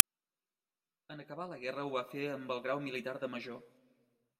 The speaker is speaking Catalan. En acabar la guerra ho va fer amb el grau militar de Major.